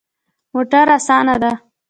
موټر اسانه ده